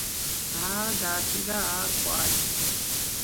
ა დათვი და ა, კვალი!